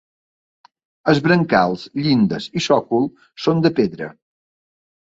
Els brancals, llindes i sòcol són de pedra.